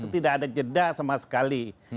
tidak ada jeda sama sekali